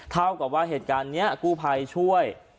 เท่ากับว่าเหตุการณ์นี้กู้ภัยช่วย